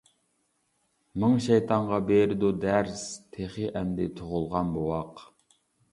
مىڭ شەيتانغا بېرىدۇ دەرس، تېخى ئەمدى تۇغۇلغان بوۋاق!